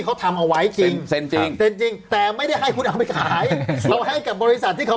เขาทำเอาไว้จริงจริงแต่ไม่ได้ให้คุณเอาไปขายบริษัทที่เขา